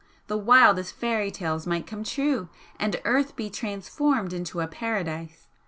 The wildest fairy tales might come true, and earth be transformed into a paradise!